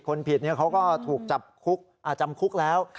คนผิดเขาก็ถูกจับคุกอ่าจำคุกแล้ว